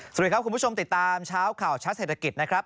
สวัสดีครับคุณผู้ชมติดตามเช้าข่าวชัดเศรษฐกิจนะครับ